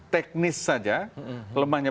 teknis saja lemahnya